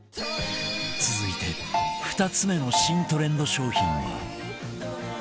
続いて２つ目の新トレンド商品は